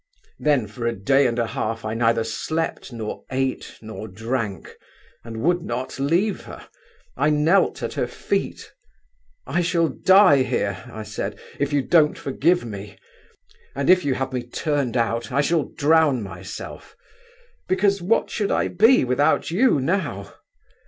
"Then for a day and a half I neither slept, nor ate, nor drank, and would not leave her. I knelt at her feet: 'I shall die here,' I said, 'if you don't forgive me; and if you have me turned out, I shall drown myself; because, what should I be without you now?